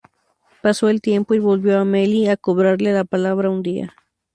Pasó el tiempo y volvió Meli a cobrarle la palabra un día.